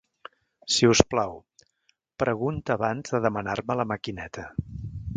Si us plau, pregunta abans de demanar-me la maquineta.